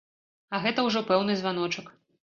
А гэта ўжо пэўны званочак.